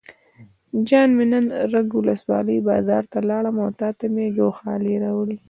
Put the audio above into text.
جان مې نن رګ ولسوالۍ بازار ته لاړم او تاته مې ګوښالي راوړې.